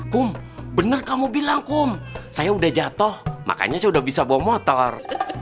kum bener kamu bilang kum saya udah jatuh makanya saya udah bisa bawa motor